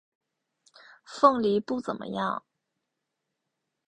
凤梨不怎么样